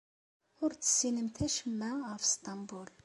Ur tessinemt acemma ɣef Sṭembul.